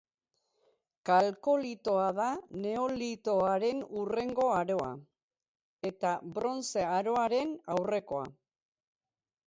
Kalkolitoa da Neolitoaren hurrengo aroa, eta Brontze Aroaren aurrekoa.